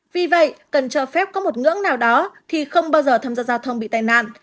vì vậy cần cho phép có một ngưỡng nào đó thì không bao giờ tham gia giao thông bị tai nạn